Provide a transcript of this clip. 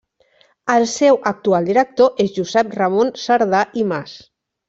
El seu actual director és Josep Ramon Cerdà i Mas.